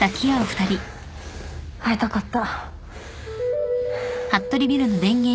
会いたかった。